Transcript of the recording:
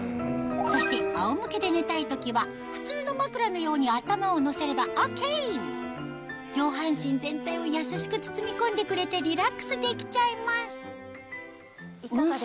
そして仰向けで寝たい時は普通の枕のように頭を乗せればＯＫ上半身全体を優しく包み込んでくれてリラックスできちゃいますウソ！